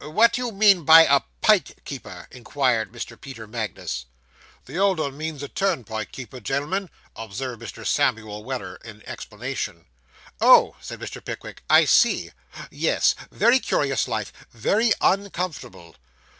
'What do you mean by a pike keeper?' inquired Mr. Peter Magnus. 'The old 'un means a turnpike keeper, gen'l'm'n,' observed Mr. Samuel Weller, in explanation. 'Oh,' said Mr. Pickwick, 'I see. Yes; very curious life. Very uncomfortable.